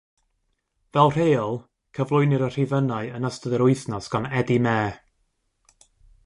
Fel rheol, cyflwynir y rhifynnau yn ystod yr wythnos gan Eddie Mair.